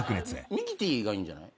ミキティがいいんじゃない？